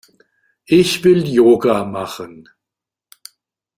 Ich will Yoga machen.